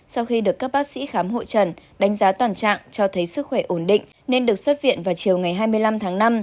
sau khi được các bác sĩ khám hội trần đánh giá toàn trạng cho thấy sức khỏe ổn định nên được xuất viện vào chiều ngày hai mươi năm tháng năm